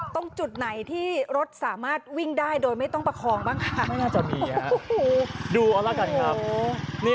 ต้องจุดไหนที่รถสามารถวิ่งได้โดยไม่ต้องประคองบ้างดูรารกันครับ